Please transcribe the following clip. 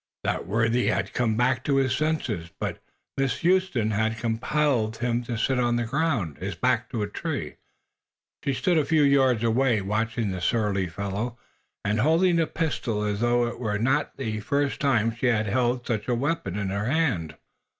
That worthy had come back to his senses, but Miss Huston had compelled him to sit on the ground, his back to a tree. She stood a few yards away, watching the surly fellow and holding the pistol as though it were not the first time she had had such a weapon in her hand.